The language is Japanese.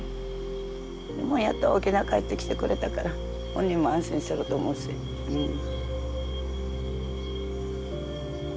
やっと沖縄へ帰ってきてくれたから本人も安心してると思うしうん。